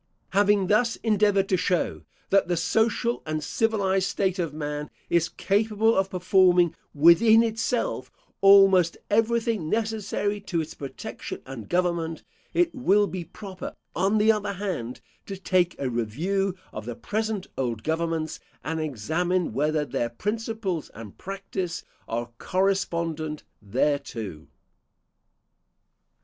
Having thus endeavoured to show that the social and civilised state of man is capable of performing within itself almost everything necessary to its protection and government, it will be proper, on the other hand, to take a review of the present old governments, and examine whether their principles and practice are correspondent thereto.